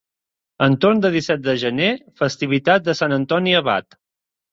Entorn el disset de gener, festivitat de Sant Antoni Abat.